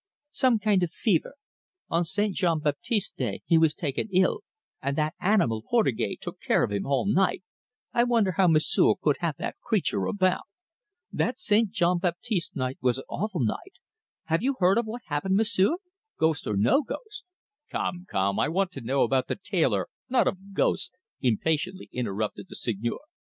"Some kind of fever. On St. Jean Baptiste's day he was taken ill, and that animal Portugais took care of him all night I wonder how M'sieu' can have the creature about! That St. Jean Baptiste's night was an awful night. Have you heard of what happened, M'sieu'? Ghost or no ghost " "Come, come, I want to know about the tailor, not of ghosts," impatiently interrupted the Seigneur.